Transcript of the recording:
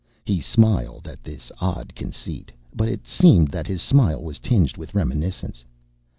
He smiled at this odd conceit, but it seemed that his smile was tinged with reminiscence.